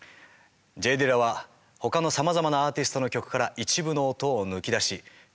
Ｊ・ディラはほかのさまざまなアーティストの曲から一部の音を抜き出し